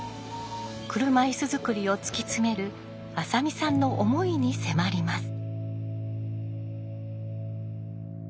車いす作りを突き詰める浅見さんの思いに迫ります。